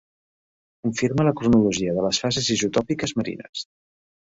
Confirma la cronologia de les fases isotòpiques marines.